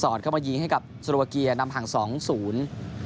สอนเขามาหยิงให้กับโซโลกียันนำหังสองศูนย์